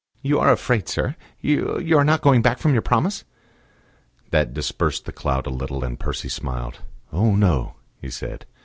"You are afraid, sir? You are not going back from your promise?" That dispersed the cloud a little, and Percy smiled. "Oh! no," he said.